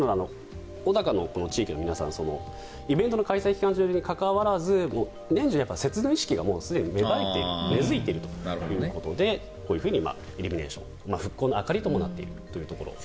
小高の地域の皆さんイベントの開催期間中に関わらず年中、節電意識が根付いているということでこういうふうにイルミネーション復興の明かりともなっているところです。